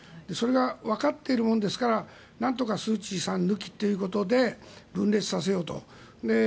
それがわかっているものですからなんとかスー・チーさん抜きということで分裂させようと。